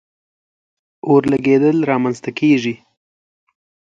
اور لګېدل را منځ ته کیږي.